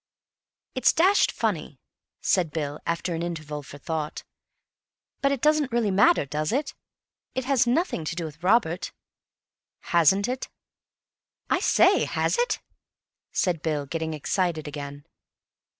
"It's dashed funny," said Bill, after an interval for thought. "But it doesn't matter, does it? It has nothing to do with Robert." "Hasn't it?" "I say, has it?" said Bill, getting excited again.